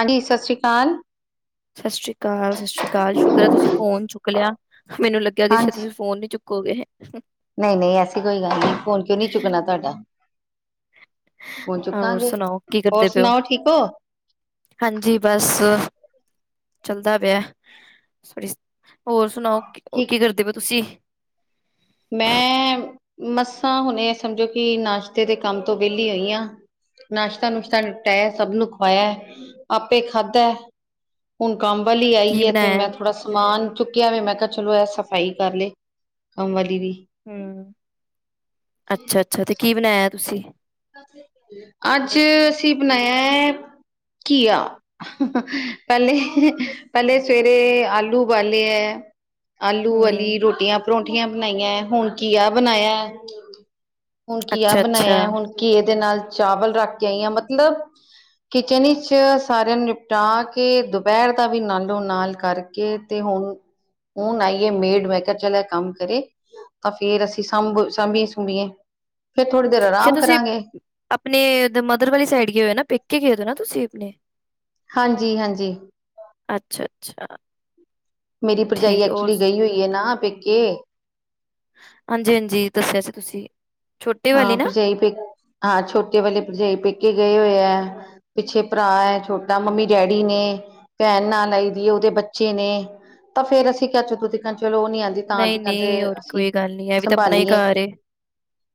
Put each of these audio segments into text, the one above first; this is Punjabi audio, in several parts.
ਹਾਂਜੀ ਸਤਿ ਸ੍ਰੀ ਅਕਾਲ। ਸਤਿ ਸ਼੍ਰੀ ਅਕਾਲ ਸਤਿ ਸ਼੍ਰੀ ਅਕਾਲ ਸ਼ੁਕਰ ਹੈ ਤੁਸੀਂ ਫੋਨ ਚੁੱਕ ਲਿਆ ਮੈਨੂੰ ਲੱਗਿਆ ਕਿੇ ਹਾਂਜੀ ਤੁਸੀਂ ਫੋਨ ਨੀ ਚੁੱਕ ਕੋ [unintelligible] ਨਹੀਂ ਨਹੀਂ ਐਸੀ ਕੋਈ ਗੱਲ ਨਹੀਂ ਫੋਨ ਕਿਉਂ ਨਹੀਂ ਚੁੱਕਣਾ ਤੁਹਾਡਾ। ਫੋਨ ਹੋਰ ਚੁੱਕਾਂਗੇ। ਸੁਣਾਓ ਕੀ ਹੋਰ ਕਰਦੇ ਪਏ ਓ ਸੁਣਾਓ ਠੀਕ ਹੋ ਹਾਂਜੀ ਬਸ ਚੱਲਦਾ ਪਿਆ। ਹੋਰ ਸੁਣਾਓ ਕੀ ਕਰਦੇ ਪਏ ਤੁਸੀਂ। ਮੈਂ ਮੱਸਾਂ ਹੁਣੇ ਸਮਝੋ ਕਿ ਨਾਸ਼ਤੇ ਦੇ ਕੰਮ ਤੋਂ ਵਿਹਲੀ ਹੋਈ ਆਂ। ਨਾਸ਼ਤਾ ਨੁਸ਼ਤਾ ਨਿਪਟਾਇਆ ਸਭ ਨੂੰ ਖਵਾਇਆ ਆਪੇ ਖਾਧਾ। ਹੁਣ ਕੰਮ ਵਾਲੀ ਕੀ ਆਈਏ ਤੇ ਮੈਂ ਬਣਾਇਆ ਥੋੜ੍ਹਾ ਸਮਾਨ ਚੁੱਕਿਆ ਵਾ ਮੈਂ ਕਿਹਾ ਚਲੋ ਇਹ ਸਫ਼ਾਈ ਕਰ ਲਏ ਕੰਮ ਵਾਲੀ ਵੀ। ਹੂੰ ਅੱਛਾ ਅੱਛਾ ਤੇ ਕੀ ਬਣਾਇਆ ਤੁਸੀਂ‌। ਅੱਜ ਅਸੀਂ ਬਣਾਇਆ ਐ ਘੀਆ। ਪਹਿਲੇ ਪਹਿਲੇ ਸਵੇਰੇ ਆਲੂ ਉਬਾਲੇ ਐ ਆਲੂ ਵਾਲੀ ਹੂੰ ਰੋਟੀਆਂ ਪਰੋਂਂਠੀਆਂ ਬਣਾਈਆਂ ਹੈ ਹੁਣ ਘੀਆ ਬਣਾਇਆ। ਹੁਣ ਘੀਆ ਅੱਛਾ ਅੱਛਾ ਬਣਾਇਆ ਹੁਣ ਘੀਏ ਦੇ ਨਾਲ ਚਾਵਲ ਰੱਖ ਕੇ ਆਈ ਆ ਮਤਲਬ ਕਿਚਨ ਵਿੱਚ ਸਾਰਿਆਂ ਨੂੰ ਨਿਪਟਾ ਕੇ ਦੁਪਹਿਰ ਦਾ ਵੀ ਨਾਲੋਂ ਨਾਲ ਕਰਕੇ ਤੇ ਹੁਣ ਹੁਣ ਆਈਏ ਮੇਡ ਮੈਂ ਕਿਹਾ ਚਲ ਐ ਕੰਮ ਕਰੇ। ਤਾਂ ਫੇਰ ਅਸੀਂ ਸਾਂਭ ਸਾਂਭੀਏ ਸੁੰਬੀਏ ਫੇਰ ਥੋੜੇ ਫੇਰ ਤੁਸੀਂ ਆਪਣੇ ਮਦਰ ਵਾਲੀ ਸਾਈਡ ਗਏ ਹੋ ਨਾ ਪੇਕੇ ਗਏ ਦੇ ਹੋ ਨਾ ਤੁਸੀਂ ਆਪਣੇ ਹਾਂਜੀ, ਹਾਂਜੀ। ਅੱਛਾ- ਅੱਛਾ। ਮੇਰੀ ਭਰਜਾਈ ਠੀਕ ਹੈ। ਹੋਰ ਐਕਚੁਲੀ ਗਈ ਹੋਈ ਐ ਨਾ ਪੇਕੇ ਹਾਂਜੀ, ਹਾਂਜੀ ਦੱਸਿਆ ਸੀ ਤੁਸੀਂ। ਛੋਟੇ ਵਾਲੀ ਹਾਂ ਨਾ ਭਰਜਾਈ ਪੇ ਹਾਂ ਛੋਟੇ ਵਾਲੇ ਭਰਜਾਈ ਪੇਕੇ ਗਏ ਹੋਏ ਐ ਪਿੱਛੇ ਭਰਾ ਐ ਛੋਟਾ ਮੰਮੀ, ਡੈਡੀ ਨੇ ਭੈਣ ਨਾਲ ਆਈ ਦੀ ਐ ਉਹਦੇ ਬੱਚੇ ਨੇ ਤਾਂ ਫੇਰ ਅਸੀਂ ਕਿਹਾ ਜਦੋਂ ਤੀਕਰ ਚਲੋ ਉਹ ਨੀ ਆਂਦੀ ਤਾਂ ਨਹੀਂ ਨਹੀਂ ਹੋਰ [unintelligible] ਅਸੀਂ ਕੋਈ ਗੱਲ ਨੀ ਇਹ ਵੀ ਤਾਂ ਆਪਣਾ ਹੀ ਸੰਭਾਲੀਏ। ਘਰ ਏ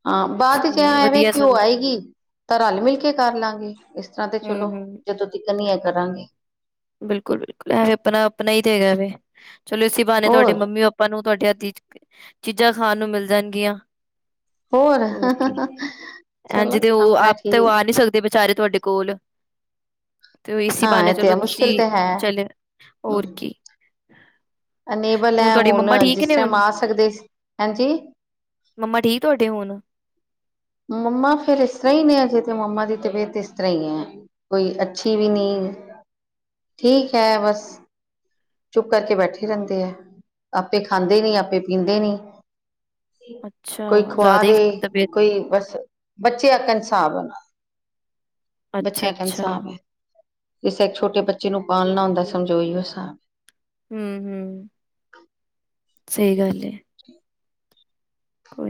ਹਾਂ ਬਾਅਦ ਚ ਕੋਈ ਐਵੇਂ ਵਧੀਆ ਕਿ ਉਹ ਸਗੋਂ ਆਏਗੀ ਤਾਂ ਰਲ -ਮਿਲ ਕੇ ਕਰਲਾਗੇ। ਇਸ ਤਰ੍ਹਾਂ ਤੇ ਚਲੋ ਹਮ ਹਮ ਜਦੋਂ ਤਿਕਰ ਨਈ ਹੈ ਕਰਾਂਗੇ। ਬਿਲਕੁਲ, ਬਿਲਕੁਲ ਇਹ ਆਪਣਾ ਆਪਣਾ ਹੀ ਤੇ ਹੈਗਾ ਦੇ ਚਲੋ ਇਸੀ ਬਾਹਣੇ ਤੁਹਾਡੀ ਹੋਰ ਮੰਮੀ ਪਾ ਪਾ ਨੂੰ ਤੁਹਾਡੇ ਹੱਥ ਦੀ ਚੀਜ਼ਾਂ ਖਾਣ ਨੂੰ ਮਿਲ ਜਾਣਗੀਆਂ। ਹੋਰ ਕੀ ਐਜ ਚਲੋ ਤੇ ਉਹ ਆਪਣਾ ਆਪ ਤੇ ਉਹ ਠੀਕ ਆ ਨਹੀਂ ਸਕ ਦੇ ਵਿਚਾਰੇ ਤੁਹਾਡੇ ਕੋਲ ਤੇ ਉਹ ਇਸੇ ਹਾਂ ਬਹਾਨੇ ਇਹ ਤੇ ਹੈ ਚਲੋ ਮੁਸ਼ਕਿਲ ਜੀ ਤੇ ਹੈ। ਚਲਿਆ ਹੋਰ ਕੀ ਅਨੇਬਲ ਐ ਤੁਹਾਡੀ ਹੁਣ ਮੰਮਾ ਠੀਕ ਜਿਸ ਨੇ ਟਾਈਮ ਹੁਣ ਆ ਸਕਦੇ ਸੀ ਹਾਂਜੀ। ਮੰਮਾ ਠੀਕ ਤੁਹਾਡੇ ਹੁਣ? ਮੰਮਾ ਫੇਰ ਇਸ ਤਰ੍ਹਾਂ ਹੀ ਨੇ ਅਜੇ ਤੇ ਮੰਮਾ ਦੀ ਤਬੀਅਤ ਇਸ ਤਰ੍ਹਾਂ ਹੀ ਐ ਕੋਈ ਅੱਛੀ ਵੀ ਨਹੀਂ ਠੀਕ ਐ ਬਸ। ਚੁੱਪ ਕਰਕੇ ਬੈਠੇ ਰਹਿੰਦੇ ਐ ਆਪੇ ਖਾਂਦੇ ਨੀ ਆਪੇ ਪੀਂਦੇ ਨੀ ਅੱਛਾ ਕੋਈ ਖਵਾ ਜ਼ਿਆਦਾ ਹੀ ਦੇ ਤਬੀਅਤ ਕੋਈ ਬਸ ਬੱਚੇ ਐਕਣ ਸਾਬ ਐ ਉਨਾ ਅੱਛਾ ਬੱਚਿਆਂ ਐਕਣ ਅੱਛਾ ਸਾਬ ਐ ਜਿਸੇ ਇੱਕ ਛੋਟੇ ਬੱਚੇ ਨੂੰ ਪਾਲਣਾ ਹੁੰਦਾ ਸਮਝੋ ਉਹੀ ਔ ਸਾਬ ਐ ਹੂੰ, ਹੂੰ ਸਹੀ ਗੱਲ ਐ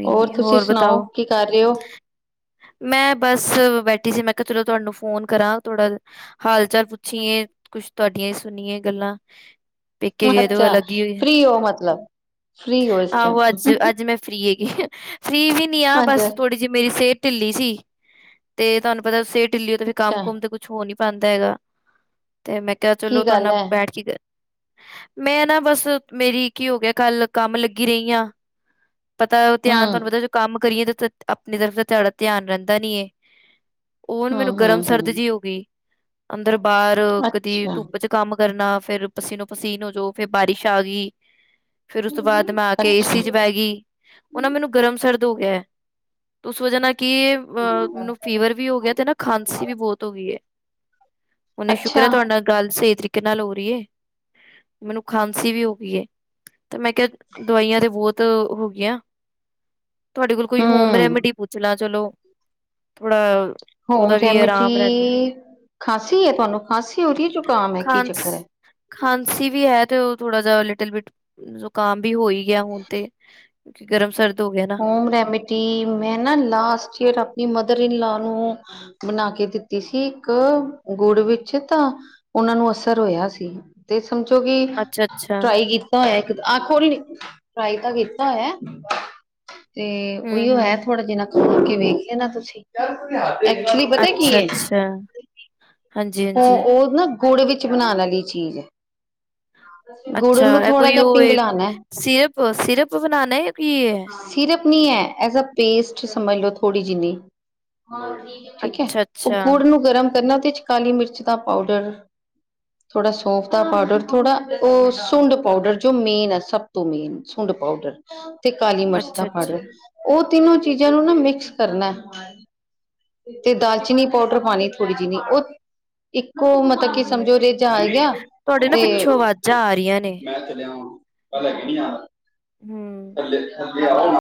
ਹੋਰ ਨੀ ਤੁਸੀਂ ਬਤਾਓ ਸੁਣਾਓ ਕੀ ਕਰ ਰਹੇ ਹੋ? ਮੈਂ ਬਸ ਬੈਠੀ ਸੀ ਮੈਂ ਕਿਹਾ ਚਲੋ ਤੁਹਾਨੂੰ ਫੋਨ ਕਰਾਂ ਥੋਡਾ ਹਾਲ ਚਾਲ ਪੁੱਛੀਏ ਕੁਛ ਤੁਹਾਡੀਆਂ ਹੀ ਸੁਣੀਏ ਗੱਲਾਂ ਪੇਕੇ ਗਏ ਤੇ ਉਹ ਅੱਛਾ ਅਲੱਗ ਹੀ ਓ ਐ ਫ੍ਰਰੀ ਹੋ ਮਤਲਬ ਫ੍ਰਰੀ ਹੋ ਇਸ ਆਹੋ ਅੱਜ‌ ਟਾਈਮ ਅੱਜ ਮੈਂ ਫਰੀ ਹੈਗੀ ਫ੍ਰੀ ਵੀ ਨੀ ਆ ਹਾਂਜੀ ਬਸ ਥੋੜੀ ਜਿਹੀ ਮੇਰੀ ਸਿਹਤ ਤ ਢਿੱਲੀ ਸੀ ਤੇ ਤੁਹਾਨੂੰ ਪਤਾ ਸਿਹਤ ਢਿੱਲੀ ਹੋ ਤੇ ਫਿਰ ਕੰਮ ਅੱਛਾ ਕੁਮ ਤੇ ਕੁਛ ਕੁਛ ਹੋ ਨਹੀਂ ਪਾਂਦਾ ਹੈਗਾ ਤੇ ਮੈਂ ਕਿਹਾ ਕੀ ਚਲੋ ਤੁਹਾਡੇ ਗੱਲ ਨਾਲ ਹੈ ਬੈਠ ਕੇ ਮੈਂ ਨਾ ਬਸ ਮੇਰੀ ਕੀ ਹੋ ਗਿਆ ਕੱਲ ਕੰਮ ਲੱਗੀ ਰਹੀ ਆ ਪਤਾ ਧਿਆਨ ਹਮ ਤੁਹਾਨੂੰ ਪਤਾ ਜੋ ਕੰਮ ਕਰੀਏ ਤਾਂ ਤ ਆਪਣੀ ਤਰਫ ਥੋਡਾ ਧਿਆਨ ਰਹਿੰਦਾ ਨੀ ਏ ਉਹ ਹੁਣ ਮੈਨੂੰ ਹਮ ਗਰਮ ਹਮ ਸਰਦ ਹਮ ਜਿ ਹੋ ਗਈ ਅੰਦਰ ਬਾਹਰ ਕਦੀ ਅੱਛਾ ਧੁੱਪ ਚ ਕੰਮ ਕਰਨਾ ਫੇਰ ਪਸੀਨੋ ਪਸੀਨ ਹੋ ਜੋ ਫੇਰ ਬਾਰਿਸ਼ ਆ ਗਈ ਫੇਰ ਉਸ ਤੋਂ ਬਾਅਦ ਮੈਂ ਆ ਕੇ ਏ ਅੱਛਾ ਸੀ ਚ ਬਹਿ ਗਈ ਉਹ ਨਾ ਮੈਨੂੰ ਗਰਮ ਸਰਦ ਹੋ ਗਿਆ ਐ ਤੋ ਉਸ ਵਜ੍ਹਾ ਨਾਲ ਕਿ ਐਹ ਮੈਨੂੰ ਫੀਵਰ ਵੀ ਹੋ ਗਿਆ ਤੇ ਨਾ ਖਾਂਸੀ ਵੀ ਬਹੁਤ ਹੋ ਗਈ ਐ ਹਨੇ ਸ਼ੁਕਰ ਅੱਛਾ ਐ ਤੁਹਾਡੇ ਨਾਲ ਗੱਲ ਸਹੀ ਤਰੀਕੇ ਨਾਲ ਹੋ ਰਹੀ ਏ ਮੈਨੂੰ ਖਾਂਸੀ ਵੀ ਹੋ ਗਈ ਐ ਤੇ ਮੈਂ ਕਿਹਾ ਦਵਾਈਆਂ ਤੇ ਬਹੁਤ ਹੋ ਗਈਆਂ ਤੁਹਾਡੇ ਕੋਲ ਕੋਈ ਹੋਮ ਹਮ ਰੈਮਡੀ ਪੁੱਛ ਲਾਂ ਚਲੋ ਥੋੜਾ ਹੋਮ ਉਹਦਾ ਵੀ ਰੈਮੀਡੀ, ਆਰਾਮ ਰਹਿੰਦਾ ਖਾਂਸੀ ਹੈ ਤੁਹਾਨੂੰ ਖਾਂਸੀ ਹੋ ਰਹੀ ਹੈ ਜ਼ੁਕਾਮ ਹੈ ਕੀ ਚੱਕਰ ਹੈ ਖਾਂਸ ਖਾਂਸੀ ਵੀ ਹੈ ਤੇ ਉਹ ਥੋੜਾ ਜੇਹਾ ਲਿਟਲ ਬਿਟ ਜ਼ੁਕਾਮ ਵੀ ਹੋ ਈ ਗਿਆ ਹੁਣ ਤੇ ਕਿਉਂਕਿ ਗਰਮ ਸਰਦ ਹੋ ਗਏ ਨ - ਹੋਮ ਰੈਮੇਡੀ ਮੈਂ ਨਾ ਲਾਸਟ ਈਅਰ ਆਪਣੀ ਮਦਰ ਇਨਲਾ ਨੂੰ ਬਣਾ ਕੇ ਦਿੱਤੀ ਸੀ ਇੱਕ ਗੁੜ ਵਿੱਚ, ਤਾਂ ਉਹਨਾਂ ਨੂੰ ਅਸਰ ਹੋਇਆ ਸੀ ਤੇ ਸਮਝੋ ਕਿ ਅੱਛਾ-ਅੱਛਾ, ਟਰਾਈ ਕੀਤੀ ਕੀਤਾ ਹੋਇਆ, ਆ ਕੋਈ ਨੀ ਟਰਾਈ ਤਾਂ ਕੀਤਾ ਹੋਇਆ ਤੇ ਉਹੀਓ ਹੂੰ-ਹੂੰ, ਹੈ ਥੋੜ੍ਹਾ ਜਿਨ੍ਹਾਂ ਨਾਲ ਖਮੋਲ ਕੇ ਵੇਖਿ ਲੇਨਾ ਤੁਸੀਂ ਐਕਚੁਲੀ ਪਤਾ ਕੀ ਹੈ ਅੱਛਾ-ਅੱਛਾ, ਹਾਂਜੀ-ਹਾਂਜੀ, ਉਹ ਉਹ ਨਾ ਗੁੜ ਵਿੱਚ ਬਣਾਉਣ ਵਾਲੀ ਚੀਜ਼ ਹੈ ਗੁੜ ਅੱਛਾ ਨੂੰ ਐ ਥੋੜਾ ਕੋਈ ਜਿਹਾ ਉਹ ਏ, ਪਿੰਗਲਾਣਾ ਸਿਰਪ ਸਿਰਪ ਬਨਾਨਾ ਹੈ ਯਾ ਕੀ ਐ ਸਿਰਪ ਨੀ ਹੈ, ਐਜ ਆ ਪੇਸਟ ਸਮਝ ਲੋਓ ਥੋੜ੍ਹੀ ਜਿਨੀ ਠੀਕ ਹੈ, ਉਹ ਅੱਛਾ-ਅੱਛਾ, ਗੁੜ ਨੂੰ ਗਰਮ ਕਰਨਾ ਉਹਦੇ ਚ ਕਾਲੀ ਮਿਰਚ ਦਾ ਪਾਊਡਰ [inaudible] ਥੋੜ੍ਹਾ ਸੌਂਫ ਦਾ ਪਾਊਡਰ, ਥੋੜ੍ਹਾ ਉਹ ਸੁੰਡ ਪਾਊਡਰ ਜੋ ਮੇਨ ਹੈ ਸਭ ਤੋਂ ਮੇਨ ਸੁੰਡ ਪਾਊਡਰ ਤੇ ਕਾਲੀ ਮਿਰਚ ਦਾ ਅੱਛਾ-ਅੱਛਾ, ਪਾਊਡਰ ਉਹ ਤਿੰਨੋ ਚੀਜ਼ਾਂ ਨੂੰ ਨਾ ਮਿਕਸ ਕਰਨਾ ਤੇ ਤਾ ਚੀਨੀ ਪਾਊਡਰ ਪਾਉਣੀ ਹੈ ਥੋੜ੍ਹੀ ਜਿਹੀ ਉਹ ਇੱਕੋ ਮਤਲਬ ਕੀ ਸਮਝ ਹੂੰ, ਲਓ ਰੀਜ ਆ ਗਿਆ ਤੁਹਾਡੇ ਨਾ ਤੇ ਪਿੱਛੋਂ ਆਵਾਜ਼ਾਂ ਆ ਰਹੀਆਂ ਨੇ, [unintelligible] ਹੂ [unintelligible]